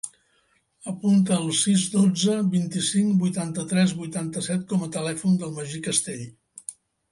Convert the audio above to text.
Apunta el sis, dotze, vint-i-cinc, vuitanta-tres, vuitanta-set com a telèfon del Magí Castell.